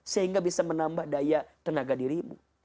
sehingga bisa menambah daya tenaga dirimu